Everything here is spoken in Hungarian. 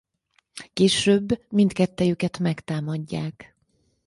Később mindkettejüket megtámadják.